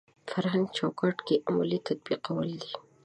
فرهنګ چوکاټ کې عملي تطبیقول دي.